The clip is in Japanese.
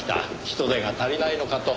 人手が足りないのかと。